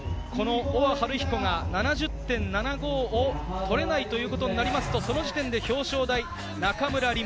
大和晴彦が７０．７５を取れないということになりますと、その時点で表彰台、中村輪